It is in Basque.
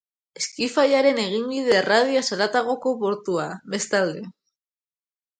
Eskifaiaren eginbide erradioaz haratagoko portua, bestalde.